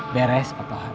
beres patuh hari